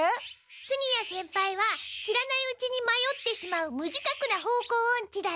次屋先輩は知らないうちに迷ってしまう無自覚な方向オンチだって。